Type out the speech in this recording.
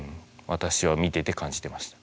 私は見てて感じてました。